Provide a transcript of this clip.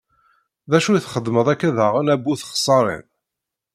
D acu i txedmeḍ akka daɣen, a bu txeṣṣarin?